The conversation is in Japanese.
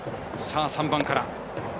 ３番から。